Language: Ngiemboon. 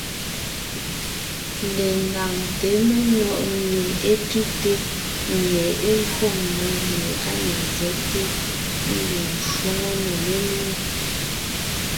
Letáŋte menɔ̀ʼ mie é tʉ́te, mie é gÿo mmó gie á ne nzɛ́te mbiŋ shwóŋo nò nénʉ́.